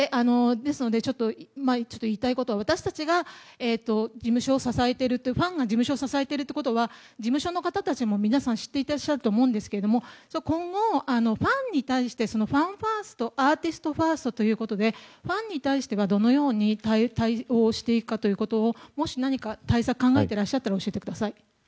言いたいことは私たちが事務所を支えているファンが事務所を支えているってことは、事務所の方たちも皆さん知っていらっしゃると思いますが今後、ファンに対してファンファーストアーティストファーストということでファンに対しては、どのように対応していくかということをもし何か対策を考えていらっしゃったら教えてください。